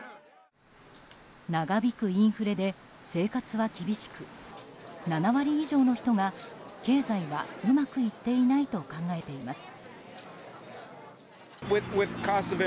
長引くインフレで生活は厳しく７割以上の人が経済はうまくいっていないと考えています。